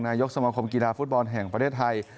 นายกสมคมกีฬาฟุตบอลแห่งประเทศไทย